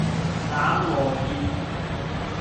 冷和熱